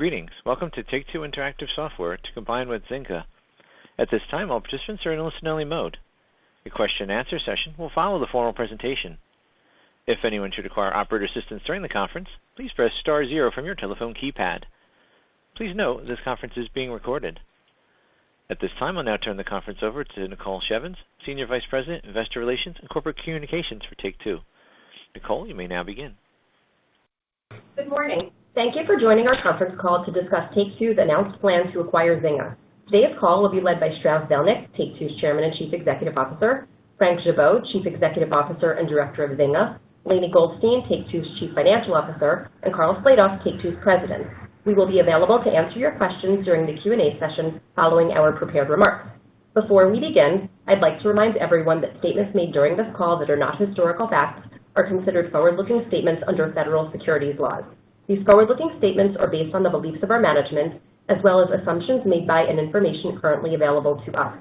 Greetings. Welcome to Take-Two Interactive Software to combine with Zynga. At this time, all participants are in a listen-only mode. A question and answer session will follow the formal presentation. If anyone should require operator assistance during the conference, please press star zero from your telephone keypad. Please note this conference is being recorded. At this time, I'll now turn the conference over to Nicole Shevins, Senior Vice President, Investor Relations and Corporate Communications for Take-Two. Nicole, you may now begin. Good morning. Thank you for joining our conference call to discuss Take-Two's announced plan to acquire Zynga. Today's call will be led by Strauss Zelnick, Take-Two's Chairman and Chief Executive Officer, Frank Gibeau, Chief Executive Officer and Director of Zynga, Lainie Goldstein, Take-Two's Chief Financial Officer, and Karl Slatoff, Take-Two's President. We will be available to answer your questions during the Q&A session following our prepared remarks. Before we begin, I'd like to remind everyone that statements made during this call that are not historical facts are considered forward-looking statements under federal securities laws. These forward-looking statements are based on the beliefs of our management as well as assumptions made by and information currently available to us.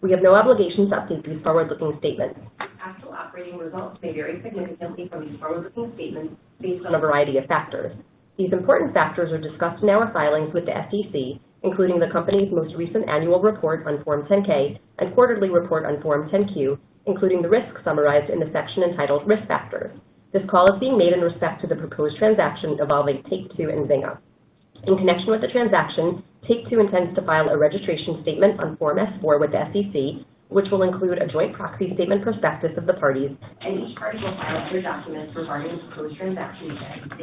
We have no obligation to update these forward-looking statements. Actual operating results may vary significantly from these forward-looking statements based on a variety of factors. These important factors are discussed in our filings with the SEC, including the company's most recent annual report on Form 10-K and quarterly report on Form 10-Q, including the risks summarized in the section entitled Risk Factors. This call is being made in respect to the proposed transaction involving Take-Two and Zynga. In connection with the transaction, Take-Two intends to file a registration statement on Form S-4 with the SEC, which will include a joint proxy statement prospectus of the parties, and each party will file other documents regarding the proposed transaction with the SEC.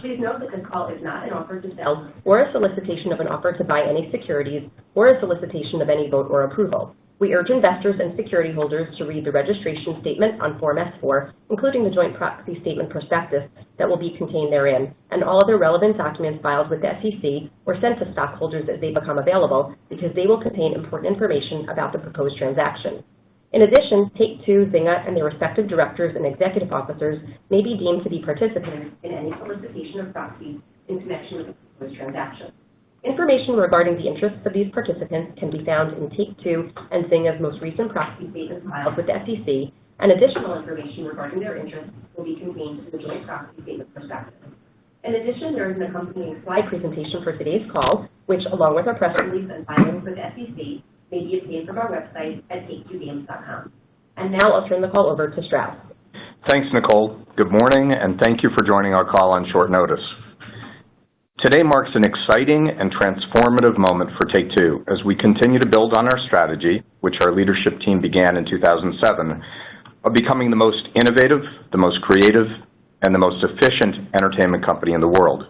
Please note that this call is not an offer to sell or a solicitation of an offer to buy any securities or a solicitation of any vote or approval. We urge investors and security holders to read the registration statement on Form S-4, including the joint proxy statement prospectus that will be contained therein, and all other relevant documents filed with the SEC or sent to stockholders as they become available, because they will contain important information about the proposed transaction. In addition, Take-Two, Zynga, and their respective directors and executive officers may be deemed to be participants in any solicitation of proxies in connection with the proposed transaction. Information regarding the interests of these participants can be found in Take-Two and Zynga's most recent proxy statements filed with the SEC, and additional information regarding their interests will be contained in the joint proxy statement prospectus. In addition, there is an accompanying slide presentation for today's call, which, along with our press release and filings with the SEC, may be obtained from our website at take2games.com. Now I'll turn the call over to Strauss. Thanks, Nicole. Good morning, and thank you for joining our call on short notice. Today marks an exciting and transformative moment for Take-Two as we continue to build on our strategy, which our leadership team began in 2007, of becoming the most innovative, the most creative, and the most efficient entertainment company in the world.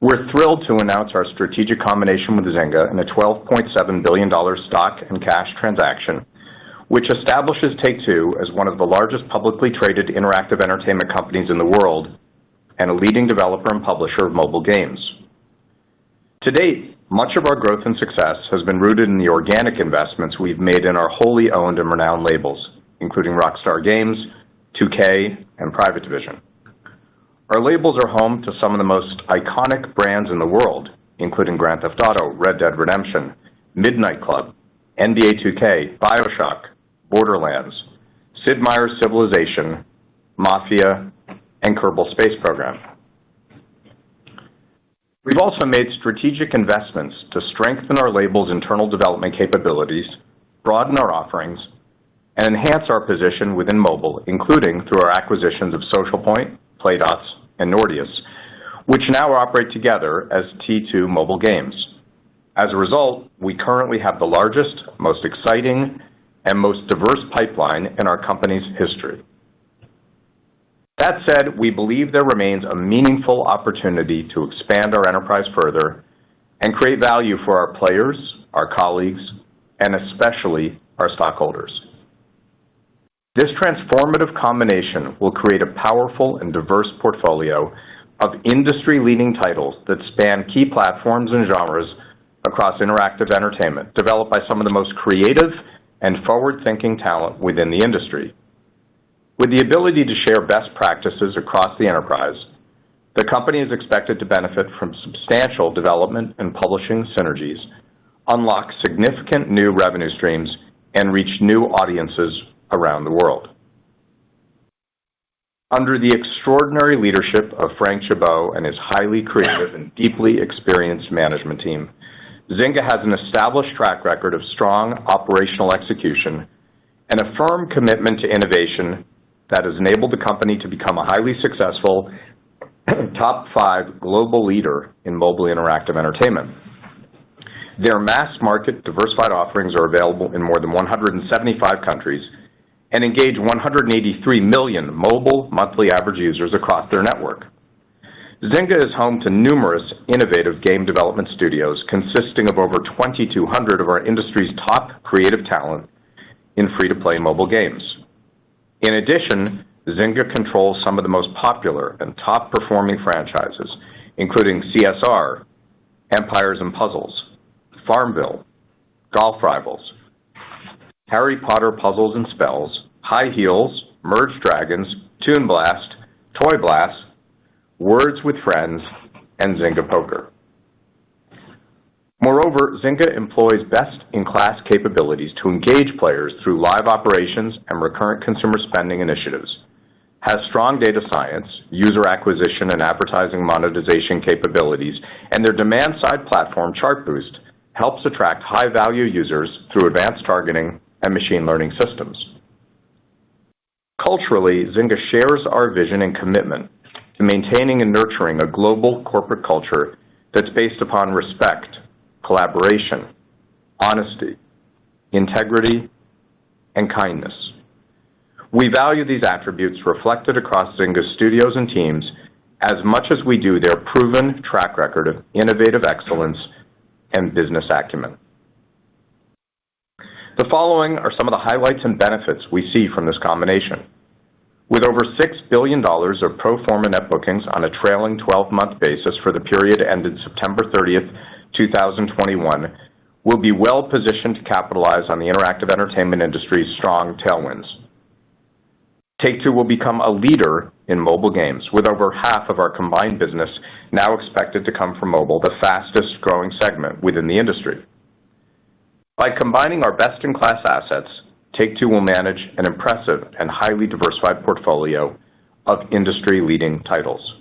We're thrilled to announce our strategic combination with Zynga in a $12.7 billion stock and cash transaction, which establishes Take-Two as one of the largest publicly traded interactive entertainment companies in the world and a leading developer and publisher of mobile games. To date, much of our growth and success has been rooted in the organic investments we've made in our wholly owned and renowned labels, including Rockstar Games, 2K, and Private Division. Our labels are home to some of the most iconic brands in the world, including Grand Theft Auto, Red Dead Redemption, Midnight Club, NBA 2K, BioShock, Borderlands, Sid Meier's Civilization, Mafia, and Kerbal Space Program. We've also made strategic investments to strengthen our labels' internal development capabilities, broaden our offerings, and enhance our position within mobile, including through our acquisitions of Social Point, Playdots, and Nordeus, which now operate together as T2 Mobile Games. As a result, we currently have the largest, most exciting, and most diverse pipeline in our company's history. That said, we believe there remains a meaningful opportunity to expand our enterprise further and create value for our players, our colleagues, and especially our stockholders. This transformative combination will create a powerful and diverse portfolio of industry-leading titles that span key platforms and genres across interactive entertainment, developed by some of the most creative and forward-thinking talent within the industry. With the ability to share best practices across the enterprise, the company is expected to benefit from substantial development and publishing synergies, unlock significant new revenue streams, and reach new audiences around the world. Under the extraordinary leadership of Frank Gibeau and his highly creative and deeply experienced management team, Zynga has an established track record of strong operational execution and a firm commitment to innovation that has enabled the company to become a highly successful top five global leader in mobile interactive entertainment. Their mass market diversified offerings are available in more than 175 countries and engage 183 million mobile monthly average users across their network. Zynga is home to numerous innovative game development studios consisting of over 2,200 of our industry's top creative talent in free-to-play mobile games. In addition, Zynga controls some of the most popular and top-performing franchises, including CSR, Empires & Puzzles, FarmVille, Golf Rival, Harry Potter: Puzzles & Spells, High Heels!, Merge Dragons!, Toon Blast, Toy Blast, Words With Friends, and Zynga Poker. Moreover, Zynga employs best-in-class capabilities to engage players through live operations and recurrent consumer spending initiatives, has strong data science, user acquisition, and advertising monetization capabilities, and their demand-side platform, Chartboost, helps attract high-value users through advanced targeting and machine learning systems. Culturally, Zynga shares our vision and commitment to maintaining and nurturing a global corporate culture that's based upon respect, collaboration, honesty, integrity, and kindness. We value these attributes reflected across Zynga's studios and teams as much as we do their proven track record of innovative excellence and business acumen. The following are some of the highlights and benefits we see from this combination. With over $6 billion of pro forma net bookings on a trailing twelve-month basis for the period ending September 30th, 2021, we'll be well-positioned to capitalize on the interactive entertainment industry's strong tailwinds. Take-Two will become a leader in mobile games, with over half of our combined business now expected to come from mobile, the fastest-growing segment within the industry. By combining our best-in-class assets, Take-Two will manage an impressive and highly diversified portfolio of industry-leading titles.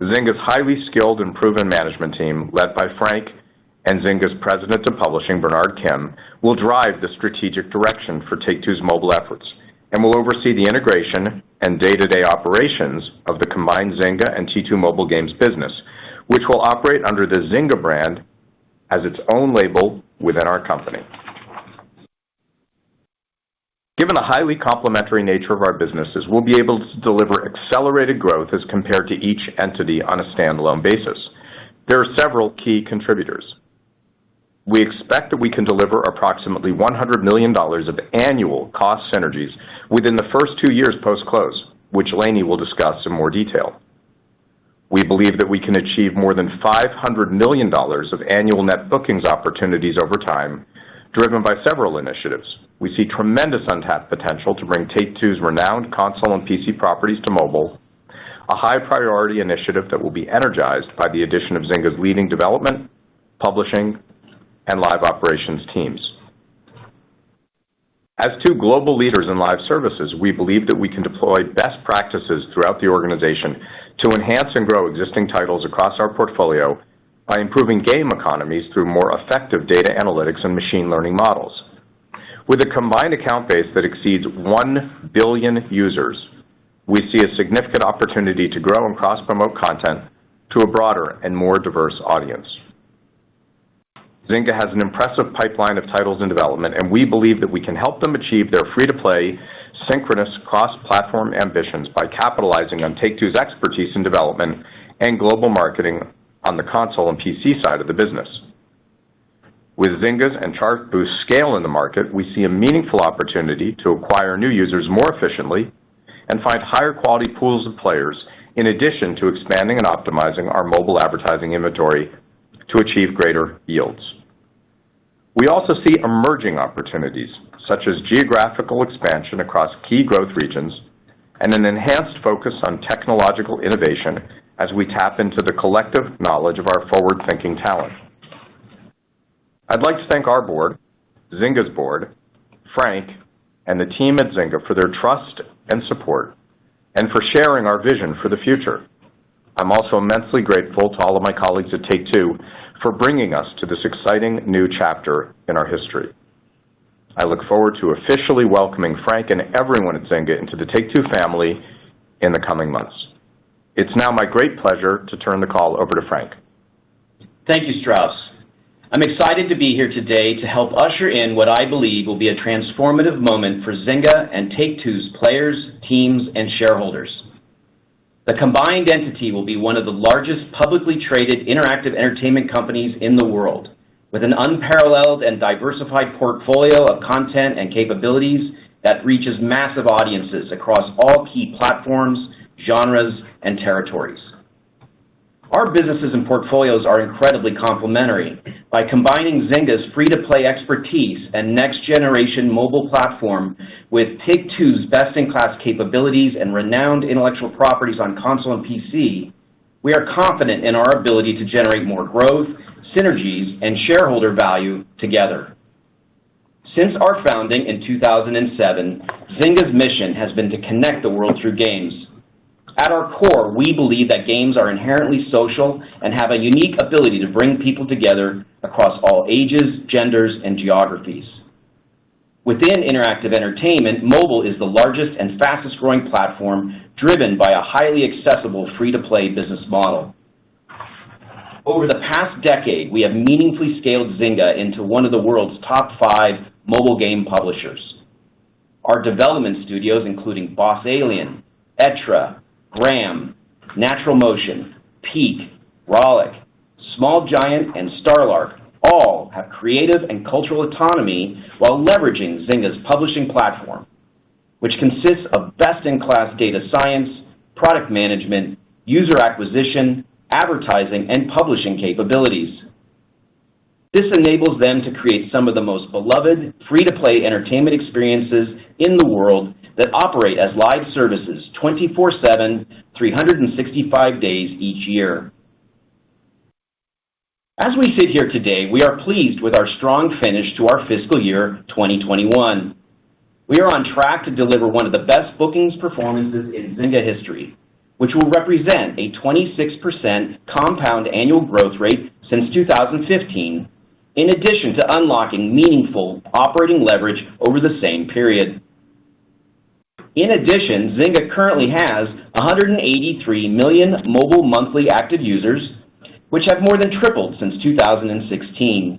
Zynga's highly skilled and proven management team, led by Frank and Zynga's President of Publishing, Bernard Kim, will drive the strategic direction for Take-Two's mobile efforts and will oversee the integration and day-to-day operations of the combined Zynga and T2 Mobile Games business, which will operate under the Zynga brand as its own label within our company. Given the highly complementary nature of our businesses, we'll be able to deliver accelerated growth as compared to each entity on a standalone basis. There are several key contributors. We expect that we can deliver approximately $100 million of annual cost synergies within the first two years post-close, which Lainie will discuss in more detail. We believe that we can achieve more than $500 million of annual net bookings opportunities over time, driven by several initiatives. We see tremendous untapped potential to bring Take-Two's renowned console and PC properties to mobile, a high-priority initiative that will be energized by the addition of Zynga's leading development, publishing, and live operations teams. As two global leaders in live services, we believe that we can deploy best practices throughout the organization to enhance and grow existing titles across our portfolio by improving game economies through more effective data analytics and machine learning models. With a combined account base that exceeds 1 billion users, we see a significant opportunity to grow and cross-promote content to a broader and more diverse audience. Zynga has an impressive pipeline of titles in development, and we believe that we can help them achieve their free-to-play synchronous cross-platform ambitions by capitalizing on Take-Two's expertise in development and global marketing on the console and PC side of the business. With Zynga's and Chartboost's scale in the market, we see a meaningful opportunity to acquire new users more efficiently and find higher-quality pools of players in addition to expanding and optimizing our mobile advertising inventory to achieve greater yields. We also see emerging opportunities, such as geographical expansion across key growth regions and an enhanced focus on technological innovation as we tap into the collective knowledge of our forward-thinking talent. I'd like to thank our board, Zynga's board, Frank, and the team at Zynga for their trust and support and for sharing our vision for the future. I'm also immensely grateful to all of my colleagues at Take-Two for bringing us to this exciting new chapter in our history. I look forward to officially welcoming Frank and everyone at Zynga into the Take-Two family in the coming months. It's now my great pleasure to turn the call over to Frank. Thank you, Strauss. I'm excited to be here today to help usher in what I believe will be a transformative moment for Zynga and Take-Two's players, teams, and shareholders. The combined entity will be one of the largest publicly traded interactive entertainment companies in the world with an unparalleled and diversified portfolio of content and capabilities that reaches massive audiences across all key platforms, genres, and territories. Our businesses and portfolios are incredibly complementary. By combining Zynga's free-to-play expertise and next-generation mobile platform with Take-Two's best-in-class capabilities and renowned intellectual properties on console and PC, we are confident in our ability to generate more growth, synergies, and shareholder value together. Since our founding in 2007, Zynga's mission has been to connect the world through games. At our core, we believe that games are inherently social and have a unique ability to bring people together across all ages, genders, and geographies. Within interactive entertainment, mobile is the largest and fastest-growing platform driven by a highly accessible free-to-play business model. Over the past decade, we have meaningfully scaled Zynga into one of the world's top 5 mobile game publishers. Our development studios, including BossAlien, Echtra, Gram, NaturalMotion, Peak, Rollic, Small Giant, and StarLark all have creative and cultural autonomy while leveraging Zynga's publishing platform, which consists of best-in-class data science, product management, user acquisition, advertising, and publishing capabilities. This enables them to create some of the most beloved free-to-play entertainment experiences in the world that operate as live services 24/7, 365 days each year. As we sit here today, we are pleased with our strong finish to our fiscal year 2021. We are on track to deliver one of the best bookings performances in Zynga history, which will represent a 26% compound annual growth rate since 2015, in addition to unlocking meaningful operating leverage over the same period. In addition, Zynga currently has 183 million mobile monthly active users, which have more than tripled since 2016.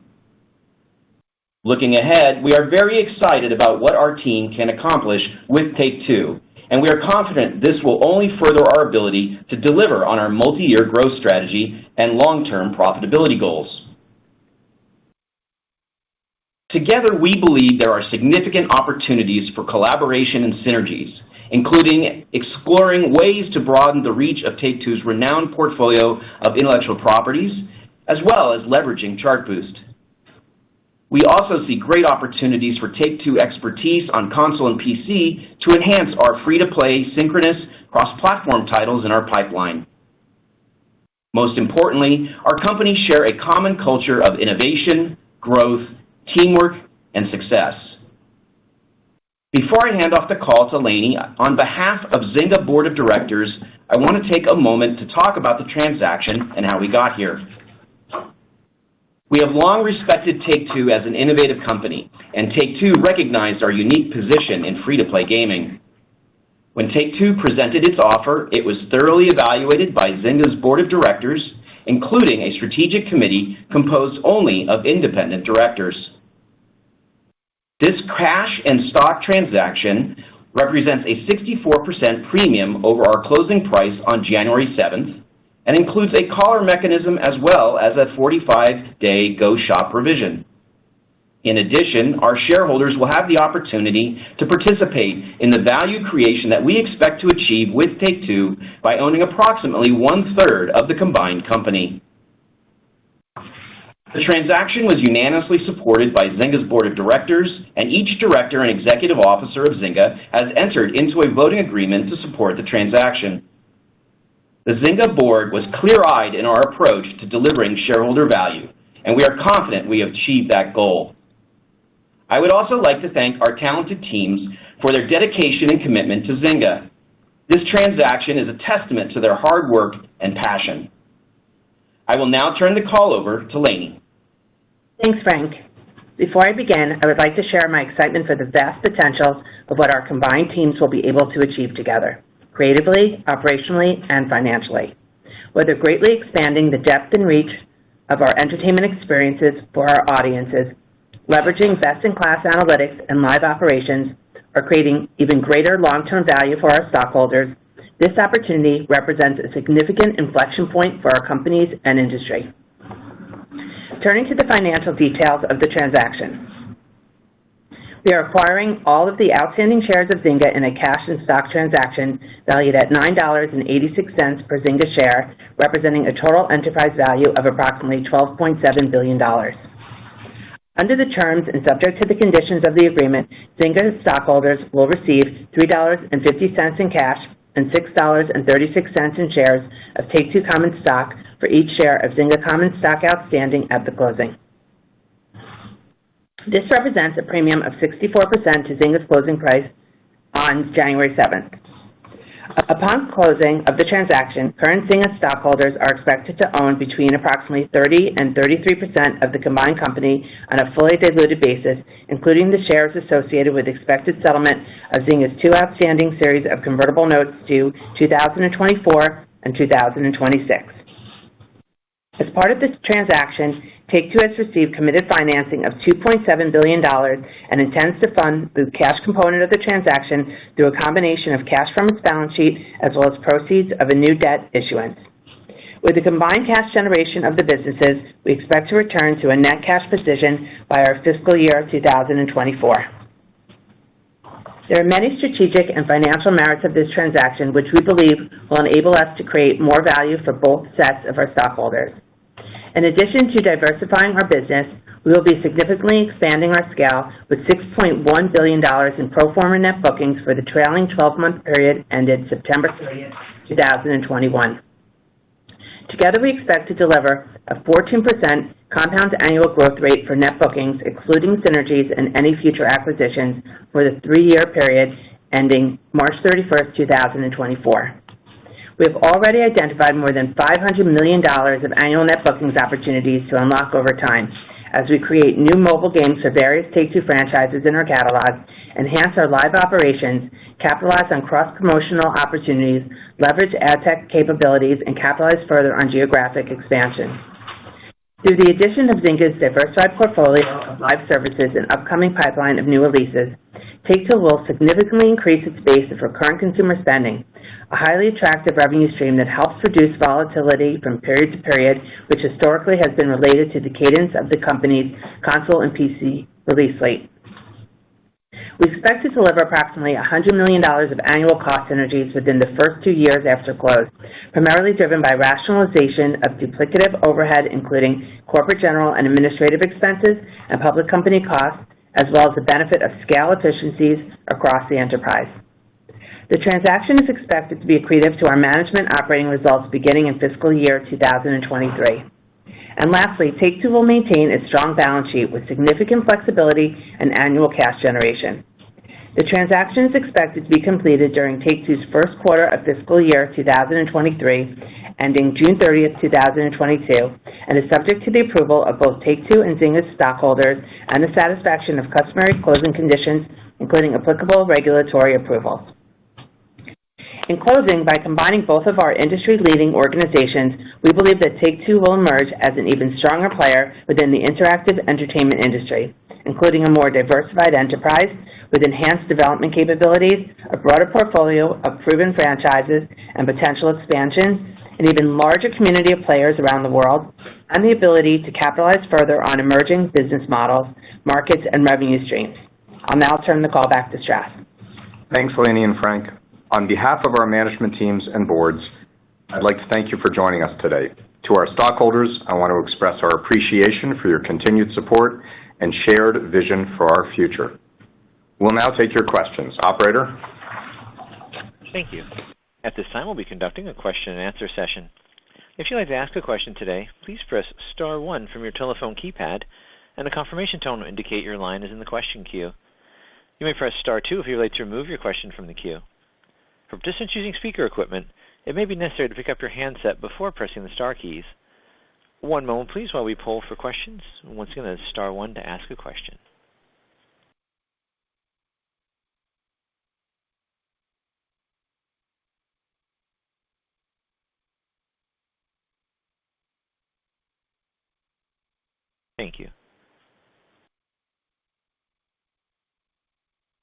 Looking ahead, we are very excited about what our team can accomplish with Take-Two, and we are confident this will only further our ability to deliver on our multi-year growth strategy and long-term profitability goals. Together, we believe there are significant opportunities for collaboration and synergies, including exploring ways to broaden the reach of Take-Two's renowned portfolio of intellectual properties, as well as leveraging Chartboost. We also see great opportunities for Take-Two expertise on console and PC to enhance our free-to-play synchronous cross-platform titles in our pipeline. Most importantly, our companies share a common culture of innovation, growth, teamwork, and success. Before I hand off the call to Lainie, on behalf of Zynga's Board of Directors, I wanna take a moment to talk about the transaction and how we got here. We have long respected Take-Two as an innovative company, and Take-Two recognized our unique position in free-to-play gaming. When Take-Two presented its offer, it was thoroughly evaluated by Zynga's Board of Directors, including a strategic committee composed only of independent directors. This cash and stock transaction represents a 64% premium over our closing price on January seventh and includes a collar mechanism as well as a 45-day go shop provision. In addition, our shareholders will have the opportunity to participate in the value creation that we expect to achieve with Take-Two by owning approximately 1/3 of the combined company. The transaction was unanimously supported by Zynga's board of directors, and each director and executive officer of Zynga has entered into a voting agreement to support the transaction. The Zynga board was clear-eyed in our approach to delivering shareholder value, and we are confident we have achieved that goal. I would also like to thank our talented teams for their dedication and commitment to Zynga. This transaction is a testament to their hard work and passion. I will now turn the call over to Lainie. Thanks, Frank. Before I begin, I would like to share my excitement for the vast potentials of what our combined teams will be able to achieve together creatively, operationally, and financially. Whether greatly expanding the depth and reach of our entertainment experiences for our audiences, leveraging best-in-class analytics and live operations, or creating even greater long-term value for our stockholders, this opportunity represents a significant inflection point for our companies and industry. Turning to the financial details of the transaction. We are acquiring all of the outstanding shares of Zynga in a cash and stock transaction valued at $9.86 per Zynga share, representing a total enterprise value of approximately $12.7 billion. Under the terms and subject to the conditions of the agreement, Zynga stockholders will receive $3.50 in cash and $6.36 in shares of Take-Two common stock for each share of Zynga common stock outstanding at the closing. This represents a premium of 64% to Zynga's closing price on January 7th. Upon closing of the transaction, current Zynga stockholders are expected to own between approximately 30%-33% of the combined company on a fully diluted basis, including the shares associated with expected settlement of Zynga's two outstanding series of convertible notes due 2024 and 2026. As part of this transaction, Take-Two has received committed financing of $2.7 billion and intends to fund the cash component of the transaction through a combination of cash from its balance sheet as well as proceeds of a new debt issuance. With the combined cash generation of the businesses, we expect to return to a net cash position by our fiscal year 2024. There are many strategic and financial merits of this transaction, which we believe will enable us to create more value for both sets of our stockholders. In addition to diversifying our business, we will be significantly expanding our scale with $6.1 billion in pro forma net bookings for the trailing 12-month period ended September 30th, 2021. Together, we expect to deliver a 14% compound annual growth rate for net bookings, excluding synergies in any future acquisitions for the three-year period ending March 31st, 2024. We have already identified more than $500 million of annual net bookings opportunities to unlock over time as we create new mobile games for various Take-Two franchises in our catalog, enhance our live operations, capitalize on cross-promotional opportunities, leverage ad tech capabilities, and capitalize further on geographic expansion. Through the addition of Zynga's diversified portfolio of live services and upcoming pipeline of new releases, Take-Two will significantly increase its base of recurrent consumer spending, a highly attractive revenue stream that helps reduce volatility from period to period, which historically has been related to the cadence of the company's console and PC release slate. We expect to deliver approximately $100 million of annual cost synergies within the first two years after close, primarily driven by rationalization of duplicative overhead, including corporate general and administrative expenses and public company costs, as well as the benefit of scale efficiencies across the enterprise. The transaction is expected to be accretive to our management operating results beginning in fiscal year 2023. Lastly, Take-Two will maintain its strong balance sheet with significant flexibility and annual cash generation. The transaction is expected to be completed during Take-Two's first quarter of fiscal year 2023, ending June 30th, 2022, and is subject to the approval of both Take-Two and Zynga's stockholders and the satisfaction of customary closing conditions, including applicable regulatory approval. In closing, by combining both of our industry-leading organizations, we believe that Take-Two will emerge as an even stronger player within the interactive entertainment industry, including a more diversified enterprise with enhanced development capabilities, a broader portfolio of proven franchises and potential expansion, an even larger community of players around the world, and the ability to capitalize further on emerging business models, markets, and revenue streams. I'll now turn the call back to Strauss. Thanks, Lainie and Frank. On behalf of our management teams and boards, I'd like to thank you for joining us today. To our stockholders, I want to express our appreciation for your continued support and shared vision for our future. We'll now take your questions. Operator? Thank you. At this time, we'll be conducting a question-and-answer session. If you'd like to ask a question today, please press star one from your telephone keypad, and a confirmation tone will indicate your line is in the question queue. You may press star two if you would like to remove your question from the queue. For participants using speaker equipment, it may be necessary to pick up your handset before pressing the star keys. One moment please while we poll for questions. Once again, that's star one to ask a question. Thank you.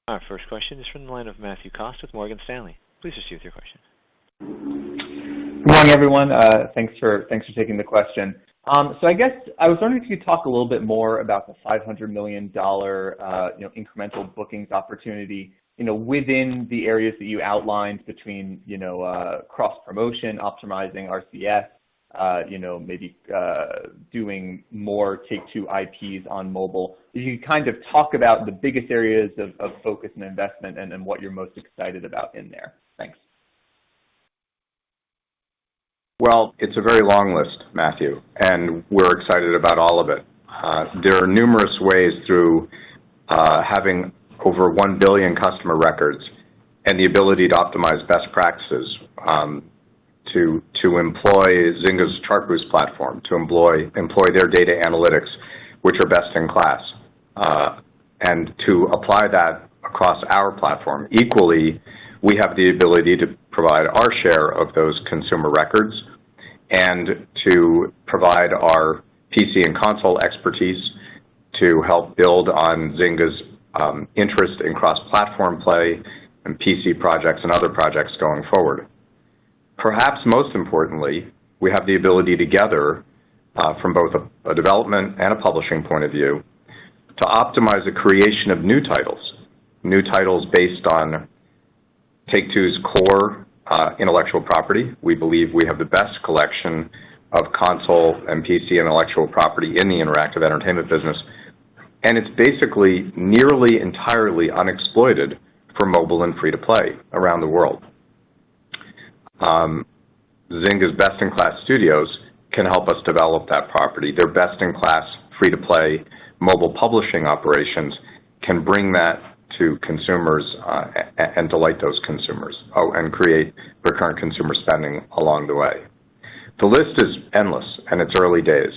Our first question is from the line of Matthew Cost with Morgan Stanley. Please proceed with your question. Good morning, everyone. Thanks for taking the question. I guess I was wondering if you could talk a little bit more about the $500 million incremental bookings opportunity, you know, within the areas that you outlined between, you know, cross-promotion, optimizing RCS, you know, maybe doing more Take-Two IPs on mobile. If you could kind of talk about the biggest areas of focus and investment and then what you're most excited about in there. Thanks. Well, it's a very long list, Matthew, and we're excited about all of it. There are numerous ways through having over 1 billion customer records and the ability to optimize best practices, to employ Zynga's Chartboost platform, to employ their data analytics, which are best in class, and to apply that across our platform. Equally, we have the ability to provide our share of those consumer records and to provide our PC and console expertise to help build on Zynga's interest in cross-platform play and PC projects and other projects going forward. Perhaps most importantly, we have the ability to gather from both a development and a publishing point of view, to optimize the creation of new titles based on Take-Two's core intellectual property. We believe we have the best collection of console and PC intellectual property in the interactive entertainment business, and it's basically nearly entirely unexploited for mobile and free-to-play around the world. Zynga's best in class studios can help us develop that property. Their best in class free-to-play mobile publishing operations can bring that to consumers, and delight those consumers, and create recurrent consumer spending along the way. The list is endless, and it's early days.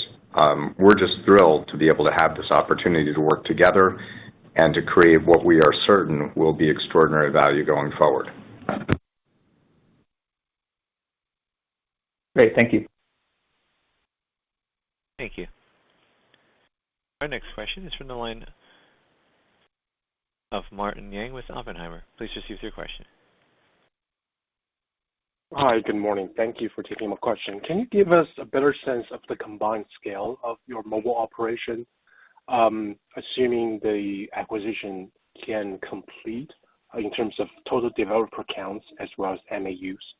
We're just thrilled to be able to have this opportunity to work together and to create what we are certain will be extraordinary value going forward. Great. Thank you. Thank you. Our next question is from the line of Martin Yang with Oppenheimer. Please proceed with your question. Hi. Good morning. Thank you for taking my question. Can you give us a better sense of the combined scale of your mobile operation, assuming the acquisition can complete in terms of total developer counts as well as MAUs?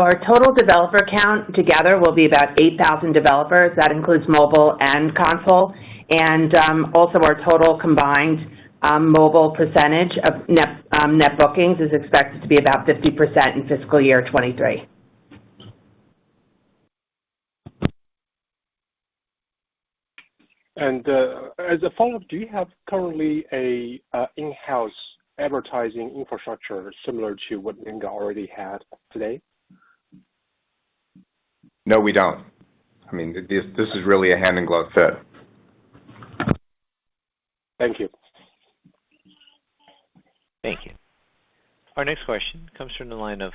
Our total developer count together will be about 8,000 developers. That includes mobile and console. Our total combined mobile percentage of net bookings is expected to be about 50% in fiscal year 2023. As a follow-up, do you have currently an in-house advertising infrastructure similar to what Zynga already had today? No, we don't. I mean, this is really a hand-in-glove fit. Thank you. Thank you. Our next question comes from the line of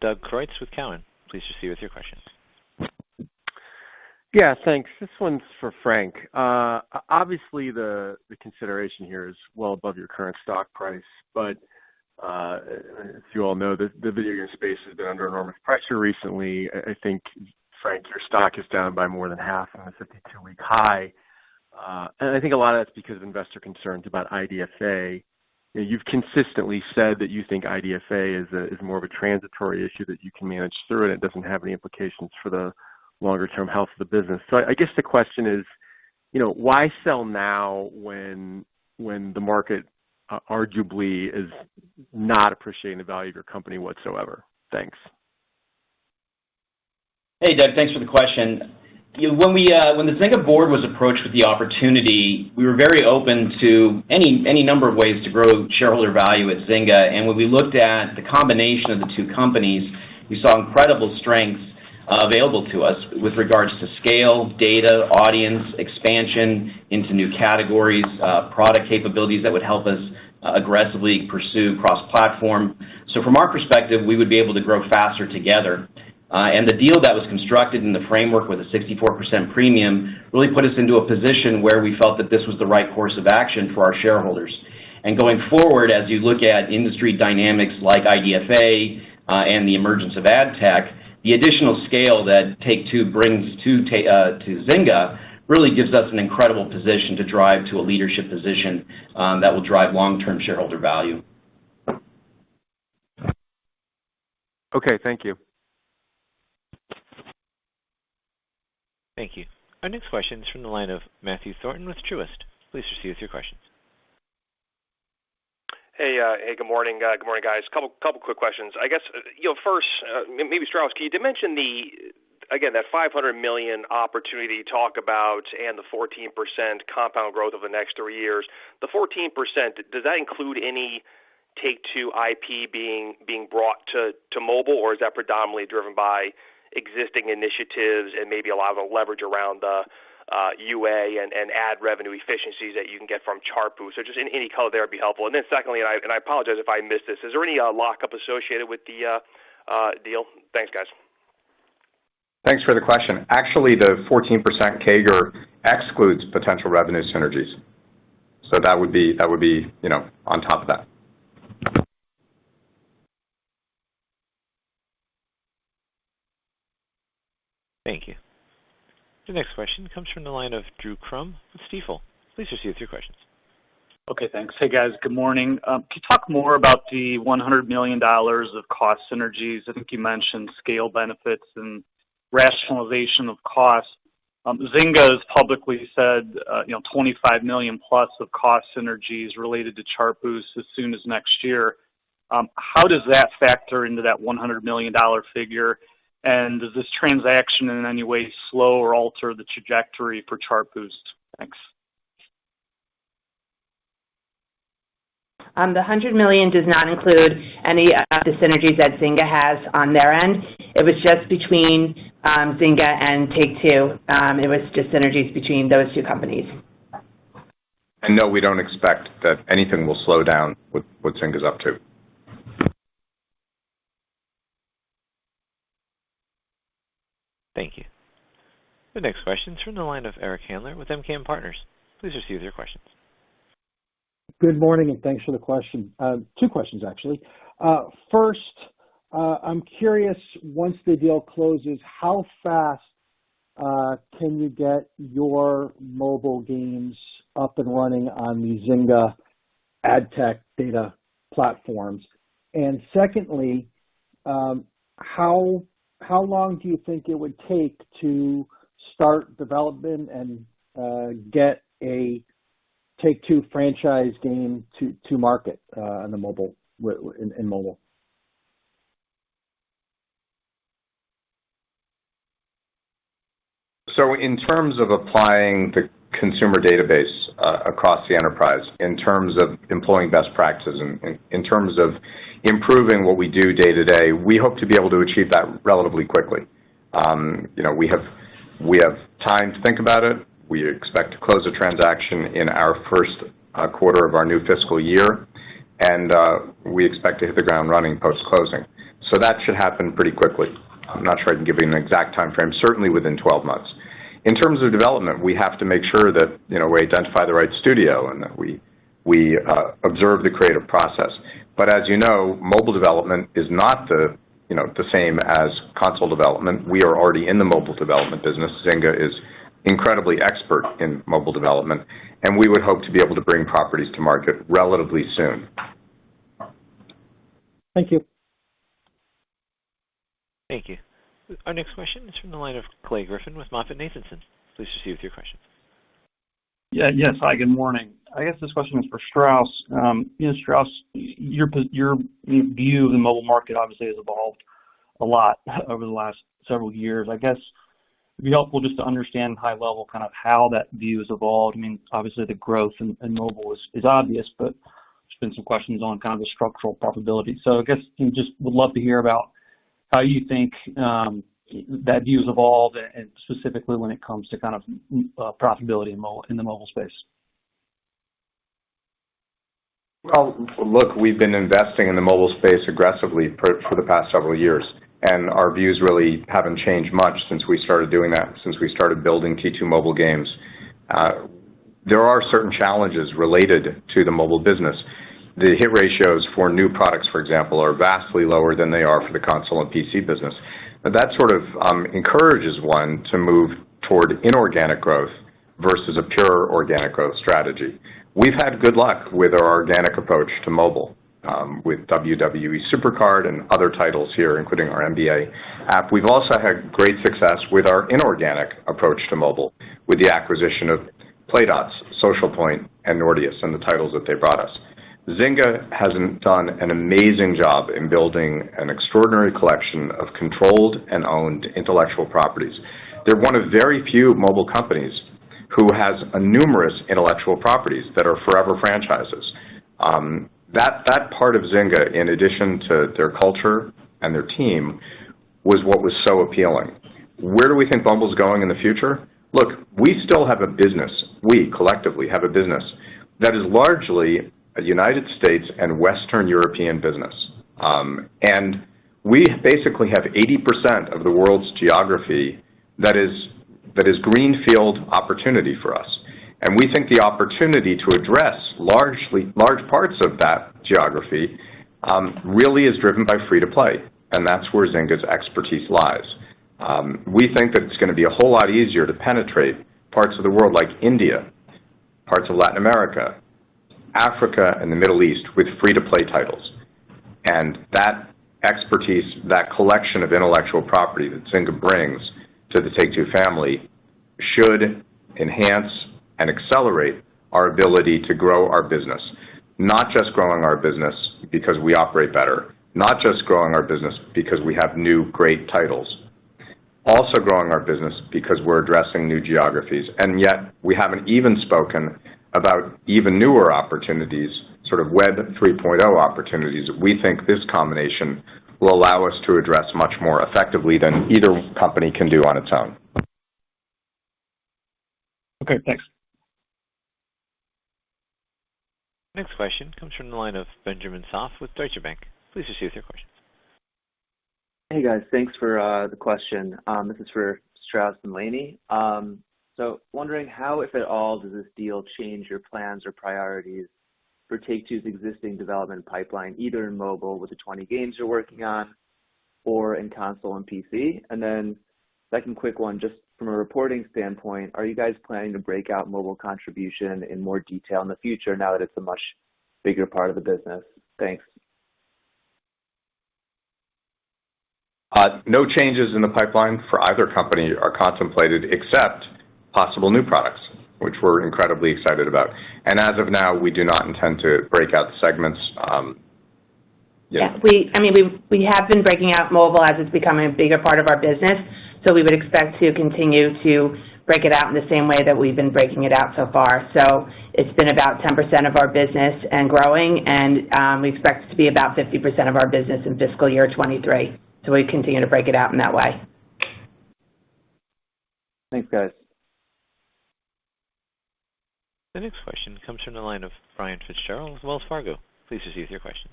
Doug Creutz with Cowen. Please proceed with your questions. Yeah, thanks. This one's for Frank. Obviously, the consideration here is well above your current stock price. As you all know, the video game space has been under enormous pressure recently. I think, Frank, your stock is down by more than half on a 52-week high. I think a lot of that's because of investor concerns about IDFA. You've consistently said that you think IDFA is more of a transitory issue that you can manage through, and it doesn't have any implications for the longer term health of the business. I guess the question is, you know, why sell now when the market arguably is not appreciating the value of your company whatsoever? Thanks. Hey, Doug. Thanks for the question. You know, when the Zynga board was approached with the opportunity, we were very open to any number of ways to grow shareholder value at Zynga. When we looked at the combination of the two companies, we saw incredible strengths available to us with regards to scale, data, audience expansion into new categories, product capabilities that would help us aggressively pursue cross-platform. From our perspective, we would be able to grow faster together. The deal that was constructed in the framework with a 64% premium really put us into a position where we felt that this was the right course of action for our shareholders. Going forward, as you look at industry dynamics like IDFA and the emergence of ad tech, the additional scale that Take-Two brings to Zynga really gives us an incredible position to drive to a leadership position that will drive long-term shareholder value. Okay, thank you. Thank you. Our next question is from the line of Matthew Thornton with Truist. Please proceed with your question. Good morning. Good morning, guys. Couple quick questions. I guess, you know, first, maybe Strauss, can you dimension the, again, that $500 million opportunity you talked about and the 14% compound growth over the next three years. The 14%, does that include any Take-Two IP being brought to mobile, or is that predominantly driven by existing initiatives and maybe a lot of the leverage around the UA and ad revenue efficiencies that you can get from Chartboost? Just any color there would be helpful. Secondly, I apologize if I missed this, is there any lockup associated with the deal? Thanks, guys. Thanks for the question. Actually, the 14% CAGR excludes potential revenue synergies. That would be, you know, on top of that. Thank you. The next question comes from the line of Drew Crum with Stifel. Please proceed with your questions. Okay, thanks. Hey, guys. Good morning. Can you talk more about the $100 million of cost synergies? I think you mentioned scale benefits and rationalization of costs. Zynga has publicly said $25 million plus of cost synergies related to Chartboost as soon as next year. How does that factor into that $100 million figure? Does this transaction in any way slow or alter the trajectory for Chartboost? Thanks. $100 million does not include any of the synergies that Zynga has on their end. It was just between Zynga and Take-Two. It was just synergies between those two companies. No, we don't expect that anything will slow down with what Zynga's up to. Thank you. The next question is from the line of Eric Handler with MKM Partners. Please proceed with your questions. Good morning, and thanks for the question. Two questions, actually. First, I'm curious, once the deal closes, how fast can you get your mobile games up and running on the Zynga ad tech data platforms? Secondly, how long do you think it would take to start development and get a Take-Two franchise game to market on the mobile in mobile? In terms of applying the consumer database across the enterprise, in terms of employing best practices, in terms of improving what we do day-to-day, we hope to be able to achieve that relatively quickly. We have time to think about it. We expect to close the transaction in our first quarter of our new fiscal year, and we expect to hit the ground running post-closing. That should happen pretty quickly. I'm not sure I can give you an exact timeframe, certainly within 12 months. In terms of development, we have to make sure that we identify the right studio and that we observe the creative process. As you know, mobile development is not the same as console development. We are already in the mobile development business. Zynga is incredibly expert in mobile development, and we would hope to be able to bring properties to market relatively soon. Thank you. Thank you. Our next question is from the line of Clay Griffin with MoffettNathanson. Please proceed with your question. Hi, good morning. I guess this question is for Strauss. You know, Strauss, your view of the mobile market obviously has evolved a lot over the last several years. I guess it'd be helpful just to understand high level kind of how that view has evolved. I mean, obviously the growth in mobile is obvious, but there's been some questions on kind of the structural profitability. I guess we just would love to hear about How do you think that view's evolved and specifically when it comes to kind of profitability in the mobile space? Well, look, we've been investing in the mobile space aggressively for the past several years, and our views really haven't changed much since we started doing that, since we started building T2 Mobile Games. There are certain challenges related to the mobile business. The hit ratios for new products, for example, are vastly lower than they are for the console and PC business. That sort of encourages one to move toward inorganic growth versus a pure organic growth strategy. We've had good luck with our organic approach to mobile, with WWE SuperCard and other titles here, including our NBA app. We've also had great success with our inorganic approach to mobile, with the acquisition of Playdots, Social Point, and Nordeus and the titles that they brought us. Zynga has done an amazing job in building an extraordinary collection of controlled and owned intellectual properties. They're one of very few mobile companies who has numerous intellectual properties that are forever franchises. That part of Zynga, in addition to their culture and their team, was what was so appealing. Where do we think mobile's going in the future? Look, we still have a business. We collectively have a business that is largely a United States and Western European business. We basically have 80% of the world's geography that is greenfield opportunity for us. We think the opportunity to address largely large parts of that geography really is driven by free-to-play, and that's where Zynga's expertise lies. We think that it's gonna be a whole lot easier to penetrate parts of the world like India, parts of Latin America, Africa, and the Middle East with free-to-play titles. That expertise, that collection of intellectual property that Zynga brings to the Take-Two family should enhance and accelerate our ability to grow our business. Not just growing our business because we operate better, not just growing our business because we have new great titles. Also growing our business because we're addressing new geographies, and yet we haven't even spoken about even newer opportunities, sort of Web 3.0 opportunities that we think this combination will allow us to address much more effectively than either company can do on its own. Okay, thanks. Next question comes from the line of Benjamin Soff with Deutsche Bank. Please proceed with your question. Hey, guys. Thanks for the question. This is for Strauss and Lainie. So wondering how, if at all, does this deal change your plans or priorities for Take-Two's existing development pipeline, either in mobile with the 20 games you're working on or in console and PC? Second quick one, just from a reporting standpoint, are you guys planning to break out mobile contribution in more detail in the future now that it's a much bigger part of the business? Thanks. No changes in the pipeline for either company are contemplated except possible new products, which we're incredibly excited about. As of now, we do not intend to break out the segments. Yeah. Yeah. I mean, we have been breaking out mobile as it's becoming a bigger part of our business, so we would expect to continue to break it out in the same way that we've been breaking it out so far. It's been about 10% of our business and growing, and we expect it to be about 50% of our business in fiscal year 2023. We continue to break it out in that way. Thanks, guys. The next question comes from the line of Brian Fitzgerald with Wells Fargo. Please proceed with your question.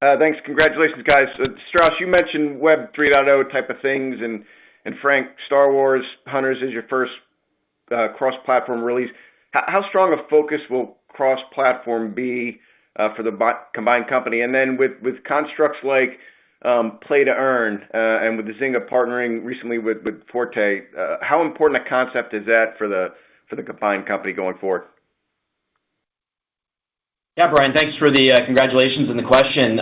Thanks. Congratulations, guys. Strauss, you mentioned Web 3.0 type of things, and Frank, Star Wars: Hunters is your first cross-platform release. How strong a focus will cross-platform be for the combined company? With constructs like play to earn, and with Zynga partnering recently with Forte, how important a concept is that for the combined company going forward? Yeah, Brian, thanks for the congratulations and the question.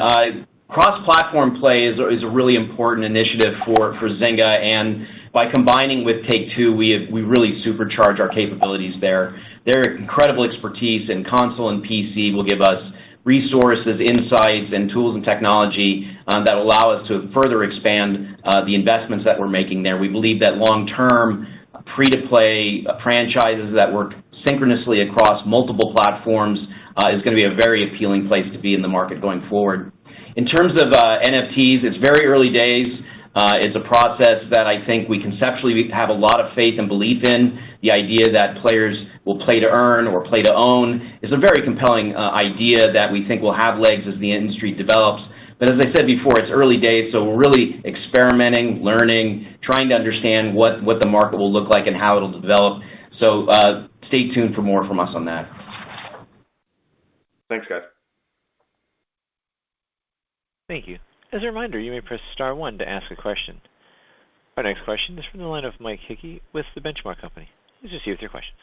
Cross-platform play is a really important initiative for Zynga, and by combining with Take-Two, we really supercharge our capabilities there. Their incredible expertise in console and PC will give us resources, insights, and tools and technology that allow us to further expand the investments that we're making there. We believe that long-term free-to-play franchises that work synchronously across multiple platforms is gonna be a very appealing place to be in the market going forward. In terms of NFTs, it's very early days. It's a process that I think we conceptually have a lot of faith and belief in. The idea that players will play to earn or play to own is a very compelling idea that we think will have legs as the industry develops. As I said before, it's early days, so we're really experimenting, learning, trying to understand what the market will look like and how it'll develop. Stay tuned for more from us on that. Thanks, guys. Thank you. As a reminder, you may press star one to ask a question. Our next question is from the line of Mike Hickey with The Benchmark Company. Please proceed with your question.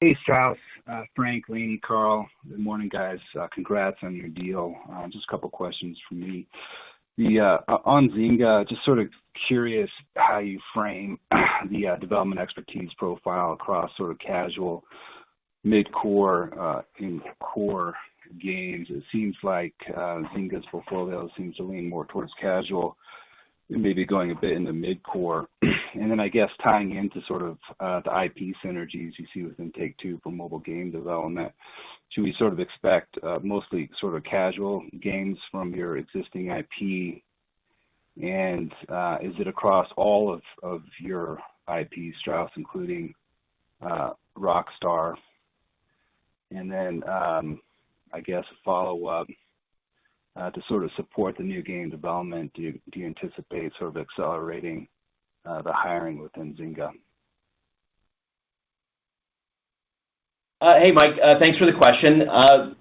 Hey, Strauss, Frank, Lainie, Karl. Good morning, guys. Congrats on your deal. Just a couple questions from me. On Zynga, just sort of curious how you frame the development expertise profile across sort of casual, mid-core, and core games. It seems like Zynga's portfolio seems to lean more towards casual, maybe going a bit in the mid-core. Then I guess tying into sort of the IP synergies you see within Take-Two for mobile game development. Should we sort of expect mostly sort of casual games from your existing IP? And is it across all of your IP, Strauss, including Rockstar? Then I guess a follow-up to sort of support the new game development, do you anticipate sort of accelerating the hiring within Zynga? Hey, Mike, thanks for the question.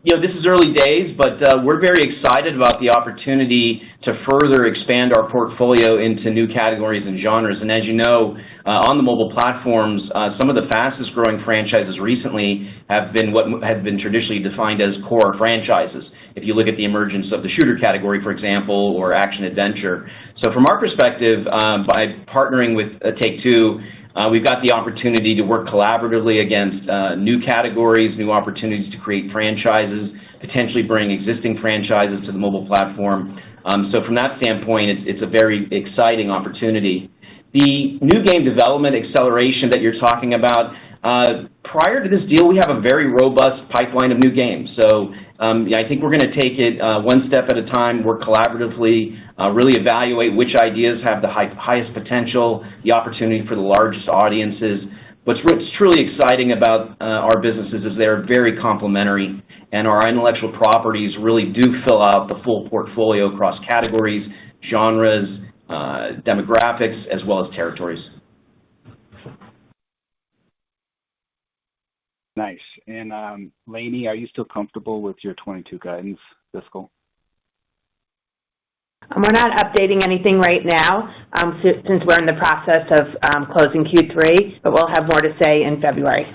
You know, this is early days, but we're very excited about the opportunity to further expand our portfolio into new categories and genres. As you know, on the mobile platforms, some of the fastest growing franchises recently have been what has been traditionally defined as core franchises. If you look at the emergence of the shooter category, for example, or action-adventure. From our perspective, by partnering with Take-Two, we've got the opportunity to work collaboratively against new categories, new opportunities to create franchises, potentially bring existing franchises to the mobile platform. From that standpoint, it's a very exciting opportunity. The new game development acceleration that you're talking about, prior to this deal, we have a very robust pipeline of new games. I think we're gonna take it one step at a time, work collaboratively, really evaluate which ideas have the highest potential, the opportunity for the largest audiences. What's truly exciting about our businesses is they are very complementary, and our intellectual properties really do fill out the full portfolio across categories, genres, demographics, as well as territories. Nice. Lainie, are you still comfortable with your fiscal 2022 guidance? We're not updating anything right now, since we're in the process of closing Q3, but we'll have more to say in February.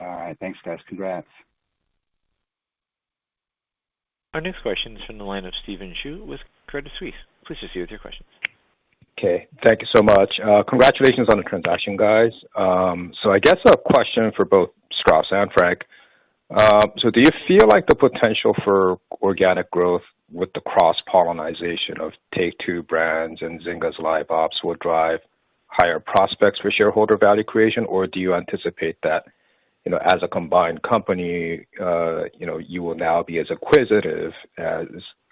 All right. Thanks, guys. Congrats. Our next question is from the line of Stephen Ju with Credit Suisse. Please proceed with your question. Okay. Thank you so much. Congratulations on the transaction, guys. I guess a question for both Strauss and Frank. Do you feel like the potential for organic growth with the cross-pollination of Take-Two brands and Zynga's live ops will drive higher prospects for shareholder value creation? Or do you anticipate that, you know, as a combined company, you know, you will now be as acquisitive as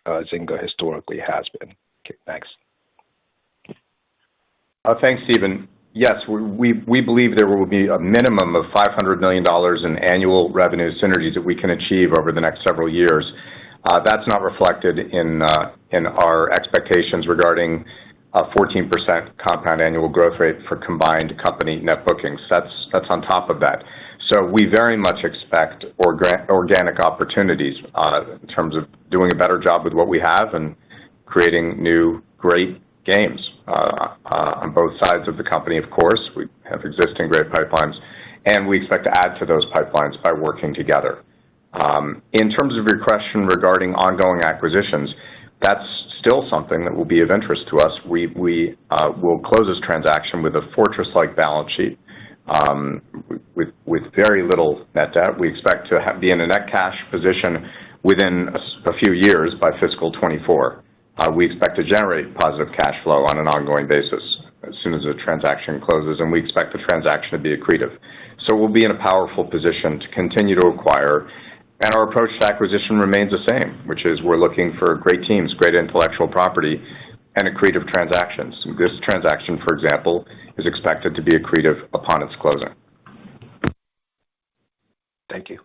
Zynga historically has been? Okay. Thanks. Thanks, Stephen. Yes, we believe there will be a minimum of $500 million in annual revenue synergies that we can achieve over the next several years. That's not reflected in our expectations regarding a 14% compound annual growth rate for combined company net bookings. That's on top of that. We very much expect organic opportunities in terms of doing a better job with what we have and creating new great games on both sides of the company, of course. We have existing great pipelines, and we expect to add to those pipelines by working together. In terms of your question regarding ongoing acquisitions, that's still something that will be of interest to us. We will close this transaction with a fortress-like balance sheet with very little net debt. We expect to be in a net cash position within a few years by fiscal 2024. We expect to generate positive cash flow on an ongoing basis as soon as the transaction closes, and we expect the transaction to be accretive. We'll be in a powerful position to continue to acquire, and our approach to acquisition remains the same, which is we're looking for great teams, great intellectual property, and accretive transactions. This transaction, for example, is expected to be accretive upon its closing. Thank you.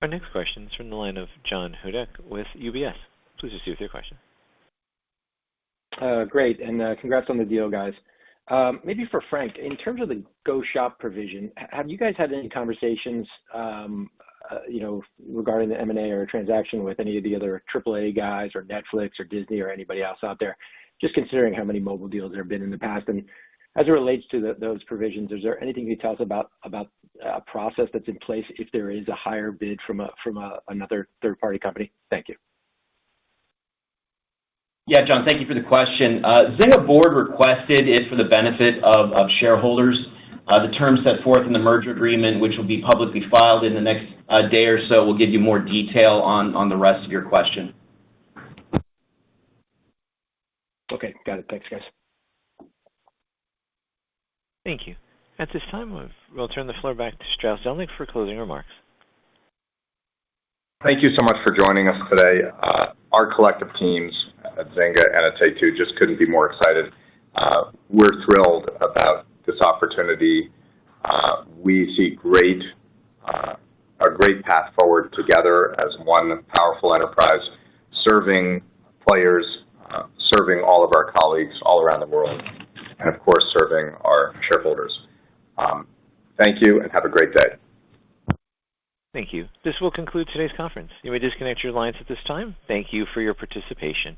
Our next question is from the line of John Hodulik with UBS. Please proceed with your question. Great, and congrats on the deal, guys. Maybe for Frank, in terms of the go shop provision, have you guys had any conversations, you know, regarding the M&A or transaction with any of the other triple A guys or Netflix or Disney or anybody else out there, just considering how many mobile deals there have been in the past? As it relates to those provisions, is there anything you can tell us about a process that's in place if there is a higher bid from another third-party company? Thank you. Yeah, John, thank you for the question. Zynga board requested it for the benefit of shareholders. The terms set forth in the merger agreement, which will be publicly filed in the next day or so, will give you more detail on the rest of your question. Okay. Got it. Thanks, guys. Thank you. At this time, we'll turn the floor back to Strauss Zelnick for closing remarks. Thank you so much for joining us today. Our collective teams at Zynga and at Take-Two just couldn't be more excited. We're thrilled about this opportunity. We see a great path forward together as one powerful enterprise, serving players, serving all of our colleagues all around the world, and of course, serving our shareholders. Thank you and have a great day. Thank you. This will conclude today's conference. You may disconnect your lines at this time. Thank you for your participation.